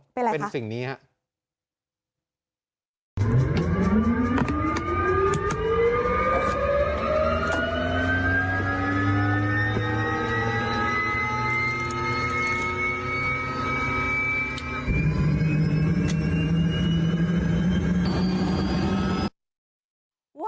เป็นอะไรคะเป็นสิ่งนี้ครับ